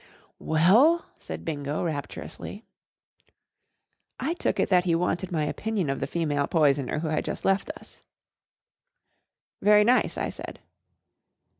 " Well ?" said Bingo, rap¬ turously. I took it that he wanted my opinion of the female poisoner who had just left us* *' Very nice/' I said.